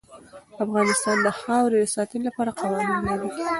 افغانستان د خاوره د ساتنې لپاره قوانین لري.